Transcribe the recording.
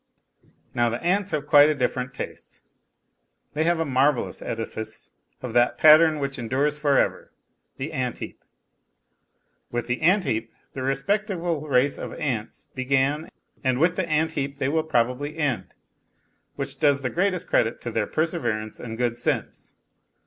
Now the ants have quite a different taste. They have a marvellous edifice of that pattern which endures for ever the ant heap. With the ant heap the respectable race of ants began and with the ant heap they will probably end, which does the greatest credit to their perseverance and good sense.